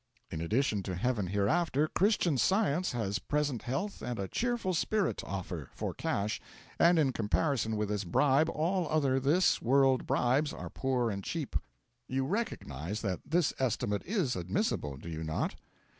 In addition to heaven hereafter, Christian Science has present health and a cheerful spirit to offer for cash and in comparison with this bribe all other this world bribes are poor and cheap. You recognise that this estimate is admissible, do you not?